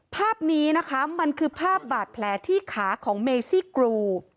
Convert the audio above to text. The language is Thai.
ภาพนี้นะคะมันคือภาพบาดแผลที่ขาของเมซี่กรู